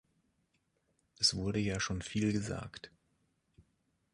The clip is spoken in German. Es wurde ja schon viel gesagt.